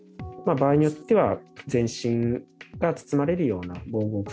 場合によっては全身が包まれるような防護服。